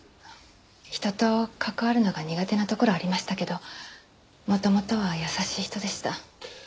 人と関わるのが苦手なところはありましたけど元々は優しい人でした。